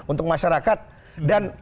untuk masyarakat dan